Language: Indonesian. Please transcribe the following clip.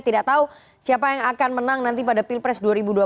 tidak tahu siapa yang akan menang nanti pada pilpres dua ribu dua puluh